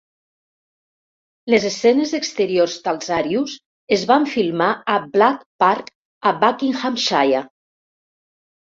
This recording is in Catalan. Les escenes exteriors d"Alzarius es van filmar a Black Park a Buckinghamshire.